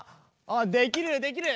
できるできる！